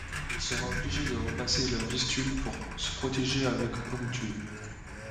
Il sera obligé de repasser la Vistule pour se protéger avec hommes tués.